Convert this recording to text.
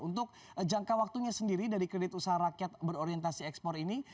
untuk jangka waktunya sendiri dari kredit usaha rakyat berorientasi ekspor ini